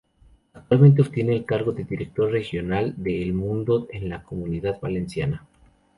Actualmente obtiene el cargo de director regional de El Mundo en la Comunidad Valenciana.